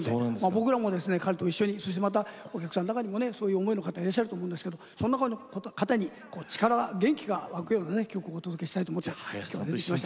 僕らも彼と一緒にそして、またお客さんの中でもそういう方もいらっしゃると思いますけれどそういう方に元気が沸くような曲をお届けしたいと思います。